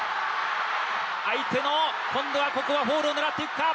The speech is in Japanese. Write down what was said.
相手の今度はここはフォールを狙っていくか。